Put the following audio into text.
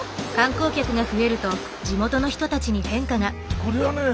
これはね